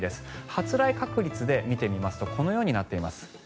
発雷確率で見てみますとこのようになっています。